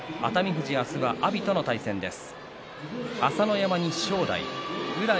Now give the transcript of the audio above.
富士明日は阿炎との対戦です。